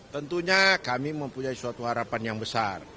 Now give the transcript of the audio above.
tentunya kami mempunyai suatu harapan yang besar